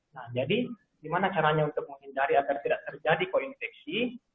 nah jadi gimana caranya untuk menghindari agar tidak terjadi koinfeksi